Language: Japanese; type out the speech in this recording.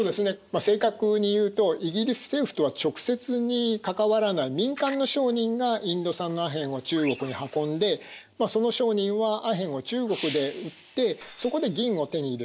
まあ正確に言うとイギリス政府とは直接に関わらない民間の商人がインド産のアヘンを中国に運んでその商人はアヘンを中国で売ってそこで銀を手に入れる。